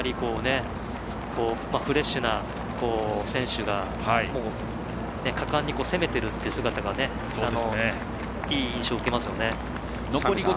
フレッシュな選手が果敢に攻めているっていう姿がいい印象を受けますね。